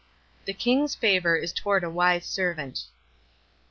The king's favor is toward a wise servant" J\k.